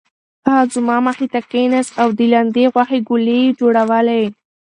هغه زما مخې ته کېناست او د لاندي غوښې ګولې یې جوړولې.